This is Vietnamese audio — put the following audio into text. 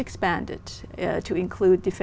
chúng tôi đã chúc mừng